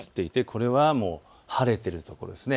これは晴れている所です。